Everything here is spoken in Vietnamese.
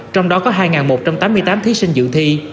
trong đó có hai một trăm tám mươi tám thí sinh dự thi